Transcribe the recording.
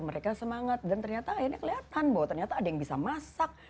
mereka semangat dan ternyata akhirnya kelihatan bahwa ternyata ada yang bisa masak